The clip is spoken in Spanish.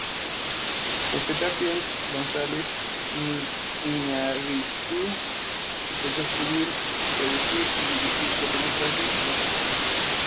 Con Z Films, González Iñárritu empezó a escribir, producir y dirigir cortometrajes y anuncios.